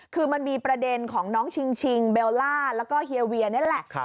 คือมันมีประเด็นของน้องชิงเบลล่าแล้วก็เฮียเวียนี่แหละ